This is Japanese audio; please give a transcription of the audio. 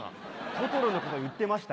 『トトロ』のこと言ってましたよ。